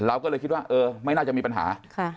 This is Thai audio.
เราก็เลยคิดว่าเออไม่น่าจะมีปัญหา